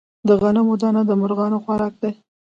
د غنمو دانه د مرغانو خوراک دی.